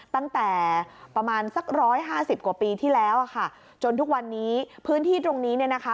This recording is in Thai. ตั้งแต่ประมาณสักร้อยห้าสิบกว่าปีที่แล้วอะค่ะจนทุกวันนี้พื้นที่ตรงนี้เนี่ยนะคะ